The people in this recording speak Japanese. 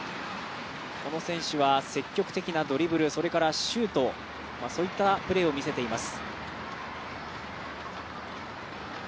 この選手は、積極的なドリブルそれからシュート、そういったプレーを見せています。